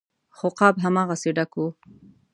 خو غاب هماغسې ډک و.